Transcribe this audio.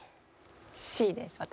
Ｃです私は。